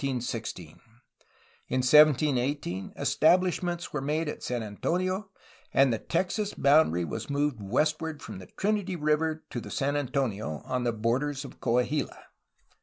In 1718 establishments were made at San Antonio, and the Texas boundary was moved westward from the Trinity River to the San Antonio, on the borders of Coahuila.